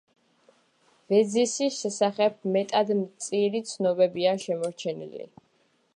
ვეძისის შესახებ მეტად მწირი ცნობებია შემორჩენილი.